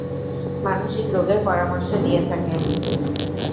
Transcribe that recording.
মানসিক রোগের পরামর্শ দিয়ে থাকেন।